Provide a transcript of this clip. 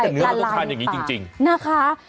แต่เนื้อเราต้องทานอย่างนี้จริงนะคะ